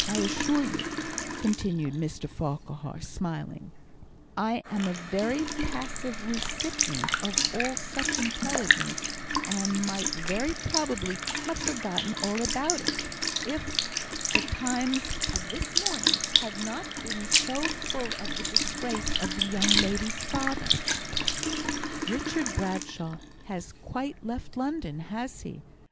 I assure you," continued Mr Farquhar, smiling, "I am a very passive recipient of all such intelligence, and might very probably have forgotten all about it, if the Times of this morning had not been so full of the disgrace of the young lady's father." "Richard Bradshaw has quite left London, has he?"